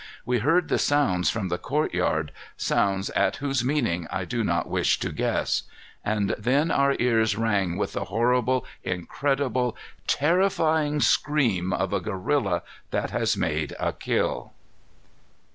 We heard the sounds from the courtyard, sounds at whose meaning I do not wish to guess. And then our ears rang with the horrible, incredible, terrifying scream of a gorilla that has made a kill.